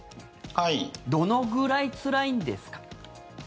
どのくらいつらいんですか？